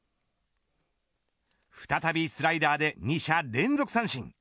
再びスライダーで２者連続三振。